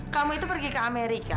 kamu itu pergi ke amerika